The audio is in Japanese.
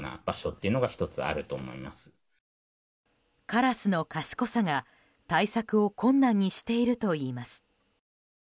カラスの賢さが、対策を困難にしているといいます。